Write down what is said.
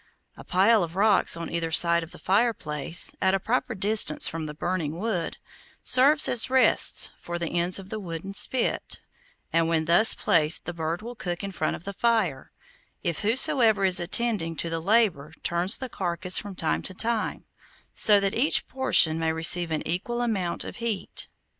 A pile of rocks on either side of the fireplace, at a proper distance from the burning wood, serves as rests for the ends of the wooden spit, and when thus placed the bird will be cooked in front of the fire, if whosoever is attending to the labor turns the carcass from time to time, so that each portion may receive an equal amount of heat.